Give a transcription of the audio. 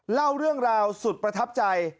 เล่าเรื่องราวสุดประทับใจ